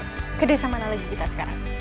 kita ke desa mana lagi kita sekarang